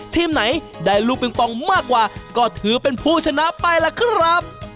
ทีมไหนได้ลูกปิงปองมากกว่าก็ถือเป็นผู้ชนะไปล่ะครับ